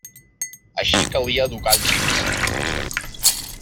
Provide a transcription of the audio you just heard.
Així calia educar els xics.